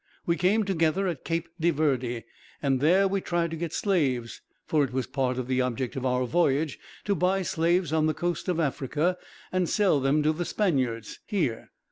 "We came together at Cape de Verde, and there we tried to get slaves; for it was part of the object of our voyage to buy slaves on the coast of Africa, and sell them to the Spaniards, here.